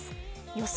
予想